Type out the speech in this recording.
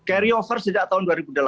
carryover sejak tahun dua ribu delapan